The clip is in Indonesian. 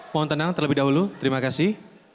mohon tenang terlebih dahulu terima kasih